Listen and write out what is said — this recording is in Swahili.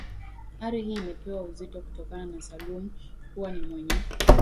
ari hii imepewa uzito kutokana na salum kuwa ni mwenye